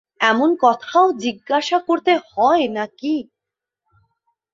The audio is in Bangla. এমন কথাও জিজ্ঞাসা করতে হয় নাকি?